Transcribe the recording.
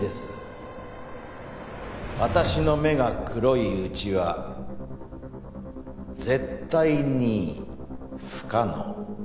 私の目が黒いうちは絶対に不可能。